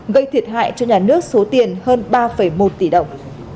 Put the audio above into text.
gây thiệt hại cho nhà nước số tiền hơn ba một tỷ đồng